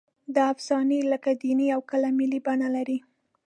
دا افسانې کله دیني او کله ملي بڼه لري.